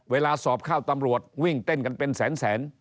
เวลาสอบเข้าตำรวจวิ่งเต้นกันเป็นแสน